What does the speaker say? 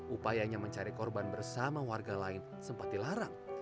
upayanya mencari korban bersama warga lain sempat dilarang